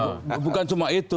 oh bukan cuma itu